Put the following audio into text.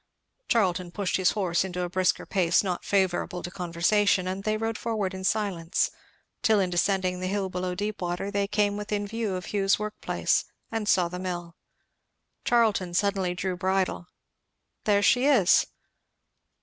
Charlton pushed his horse into a brisker pace not favourable to conversation; and they rode forward in silence, till in descending the hill below Deepwater they came within view of Hugh's workplace, the saw mill. Charlton suddenly drew bridle. "There she is."